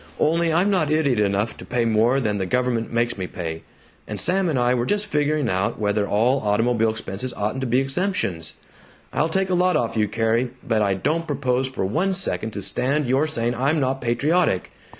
Only, I'm not idiot enough to pay more than the government makes me pay, and Sam and I were just figuring out whether all automobile expenses oughn't to be exemptions. I'll take a lot off you, Carrie, but I don't propose for one second to stand your saying I'm not patriotic.